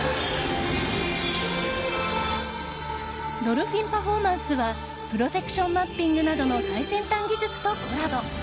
ドルフィンパフォーマンスはプロジェクションマッピングなどの最先端技術とコラボ！